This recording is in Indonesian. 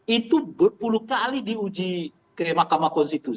itu berpuluh kali diuji ke mahkamah konstitusi